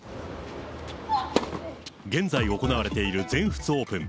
現在、行われている全仏オープン。